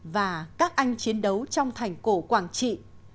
và các anh chiến đấu trong thành cổ quảng trị